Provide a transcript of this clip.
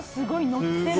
乗ってる。